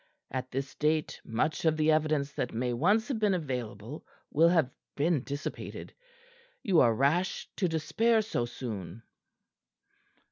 At this date much of the evidence that may once have been available will have been dissipated. You are rash to despair so soon."